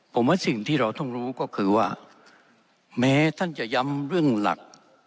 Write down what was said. ผมว่าสิ่งที่เราต้องรู้ก็คือว่าแม้ท่านจะย้ำเรื่องหลัก